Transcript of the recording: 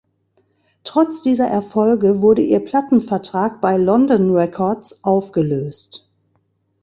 Trotz dieser Erfolge wurde ihr Plattenvertrag bei "London Records" aufgelöst.